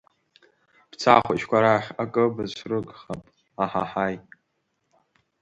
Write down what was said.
Бца ахәыҷқәа рахь, акы быцәрыгхап аҳаҳаи.